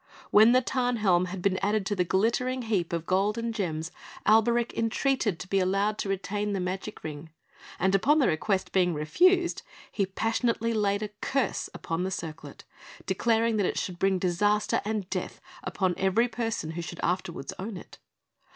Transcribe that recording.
When the Tarnhelm had been added to the glittering heap of gold and gems, Alberic entreated to be allowed to retain the magic Ring, and upon the request being refused, he passionately laid a curse upon the circlet, declaring that it should bring disaster and death upon every person who should afterwards own it.